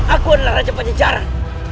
aku adalah raja panjajaran